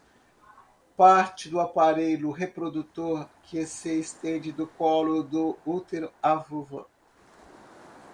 parte do aparelho reprodutor, que se estende do colo do útero à vulva